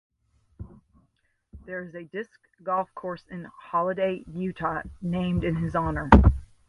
There is a disc golf course in Holladay, Utah named in his honor.